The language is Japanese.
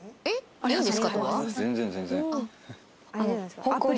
全然全然。